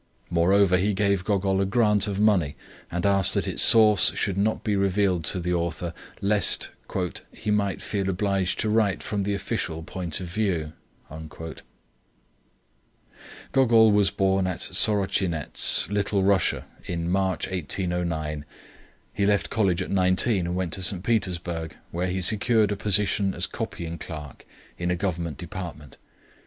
Moreover, he gave Gogol a grant of money, and asked that its source should not be revealed to the author lest "he might feel obliged to write from the official point of view." Gogol was born at Sorotchinetz, Little Russia, in March 1809. He left college at nineteen and went to St. Petersburg, where he secured a position as copying clerk in a government department.